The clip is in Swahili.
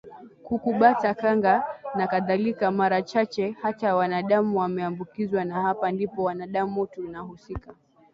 kuku bata kanga nakadhalika Mara chache hata wanadamu wameambukizwa Na hapa ndipo wanadamu tunahusika